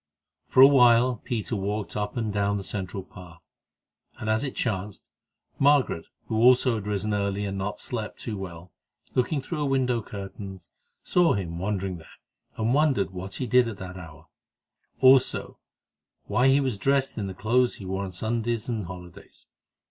For a while Peter walked up and down the central path, and, as it chanced, Margaret, who also had risen early and not slept too well, looking through her window curtains, saw him wandering there, and wondered what he did at this hour; also, why he was dressed in the clothes he wore on Sundays and holidays.